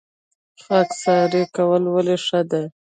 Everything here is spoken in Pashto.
خاکساري کول ولې ښه دي؟